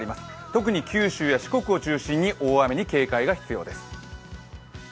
特に、九州や四国を中心に大雨に警戒が必要です。